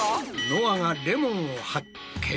のあがレモンを発見。